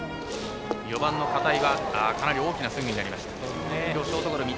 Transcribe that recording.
４番の片井は大きなスイングになりました。